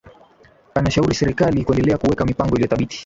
Anashauri serikali kuendelea kuweka mipango iliyothabiti